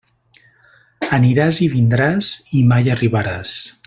Aniràs i vindràs i mai arribaràs.